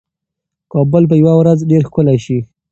کابل به یوه ورځ ډېر ښکلی شي.